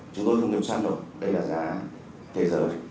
chúng tôi không kiểm soát được đây là giá thế giới